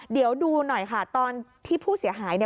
เดี๋ยวดูหน่อยค่ะตอนที่ผู้เสียหาย